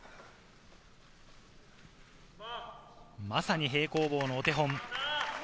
まさに平行棒のお手本。